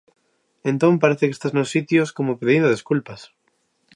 Entón parece que estás nos sitios como pedindo desculpas.